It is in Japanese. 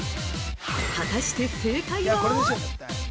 ◆果たして正解は？